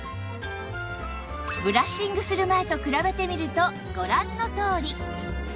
ブラッシングする前と比べてみるとご覧のとおり